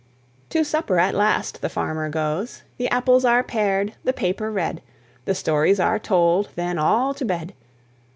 To supper at last the farmer goes. The apples are pared, the paper read, The stories are told, then all to bed.